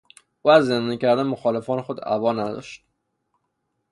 او از زندانی کردن مخالفان خود ابا نداشت.